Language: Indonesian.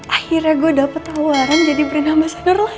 akhirnya gue dapet tawaran jadi bernama sandor lagi